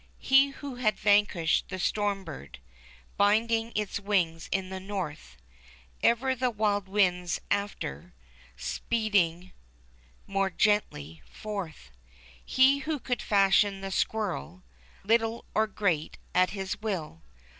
He who had vanquished the storm bird. Binding its wings in the north — Ever the wild winds after Speeding more gently forth — He who could fashion the squirrel Little or great, at his will.